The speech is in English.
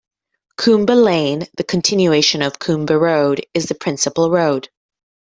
Coombe Lane, the continuation of Coombe Road, is the principal road.